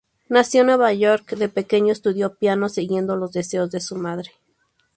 Nacido en Nueva York, de pequeño estudió piano siguiendo los deseos de su madre.